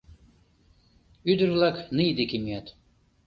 Ӱдыр-влак ний деке мият.